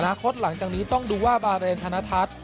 คตหลังจากนี้ต้องดูว่าบาเรนธนทัศน์